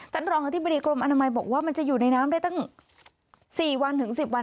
ตัดลองกับที่บริกรมอนามัยบอกว่ามันจะอยู่ในน้ำได้ตั้ง๔๑๐วัน